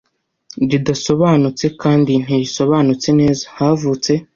ridasobanutse kandi ntirisobanutse neza havutse